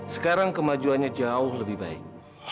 sekarang kemajuannya jauh lebih baik